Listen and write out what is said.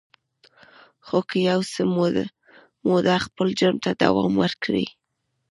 خو که یو څه موده خپل جرم ته دوام ورکړي